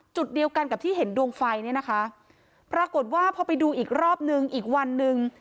จุดเดียวกันกับที่เห็นดวงไฟเนี่ยนะคะปรากฏว่าพอไปดูอีกรอบนึงอีกวันหนึ่ง